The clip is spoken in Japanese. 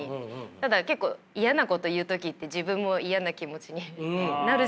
ただ結構嫌なこと言う時って自分も嫌な気持ちになるじゃないですか。